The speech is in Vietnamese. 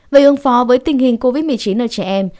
về ứng phó với tình hình covid một mươi chín ở trẻ em